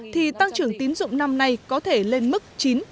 thì tăng trưởng tín dụng năm nay có thể lên mức chín một mươi